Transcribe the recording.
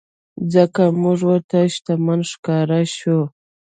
ځکه مونږ ورته شتمن ښکاره شوو.